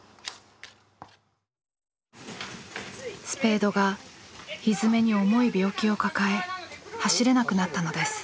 スペードがひづめに重い病気を抱え走れなくなったのです。